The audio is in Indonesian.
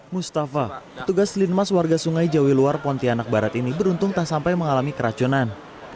mustafa petugas linmas warga sungai jawi luar pontianak barat ini beruntung tak sampai mengalami keracunan